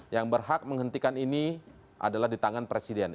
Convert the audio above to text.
yang berhak menghentikan ini adalah di tangan presiden